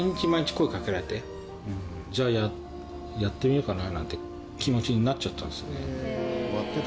じゃあやってみようかななんて気持ちになっちゃったんですよね。